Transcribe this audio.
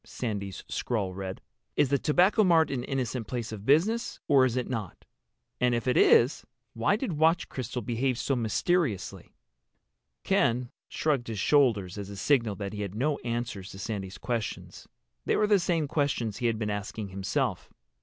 Sandy's scrawl read. "Is the Tobacco Mart an innocent place of business—or is it not? And if it is why did Watch Crystal behave so mysteriously?" Ken shrugged his shoulders as a signal that he had no answers to Sandy's questions. They were the same questions he had been asking himself.